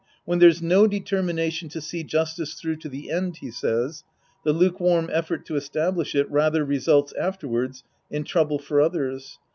When there's no deter mination to see justice through to the end, he says, the lukewarm effort to establish it rather results afterwards in trouble for others.